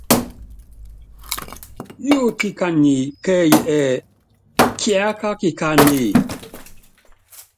Yóótíe kani kɛ́ɛ́yí ɛ́ɛ́: Kiáká kikáánéé?